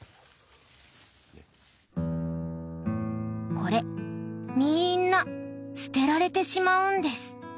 これみんな捨てられてしまうんです。